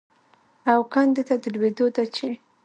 او کندې ته د لوېدو ده چې